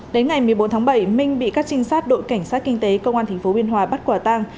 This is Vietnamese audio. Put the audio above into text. đến ngày một mươi bốn tháng bảy minh bị các trinh sát đội cảnh sát kinh tế công an tp biên hòa bắt quả tang